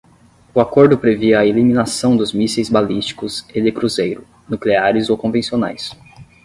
O acordo previa a eliminação dos mísseis balísticos e de cruzeiro, nucleares ou convencionais.